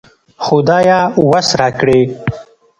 خدايه وس راکړې